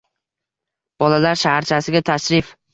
Bolalar shaharchasiga tashrif